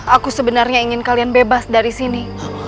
aku sebenarnya ingin kalian bebas dari sini